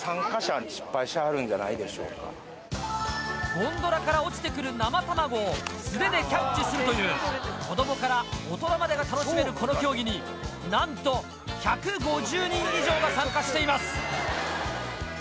ゴンドラから落ちてくる生卵を素手でキャッチするという子どもから大人までが楽しめるこの競技になんと１５０人以上が参加しています。